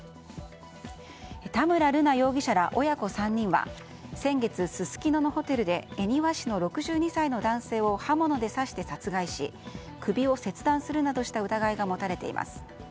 田村瑠奈容疑者ら親子３人は先月、すすきののホテルで恵庭市の６２歳の男性を刃物で刺して殺害し首を切断するなどした疑いが持たれています。